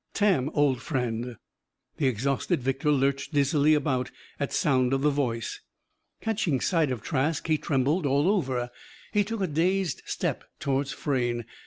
"Tam! Old friend!" The exhausted victor lurched dizzily about, at sound of the voice. Catching sight of Trask, he trembled all over. He took a dazed step towards Frayne.